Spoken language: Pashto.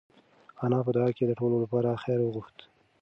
انا په دعا کې د ټولو لپاره خیر وغوښت.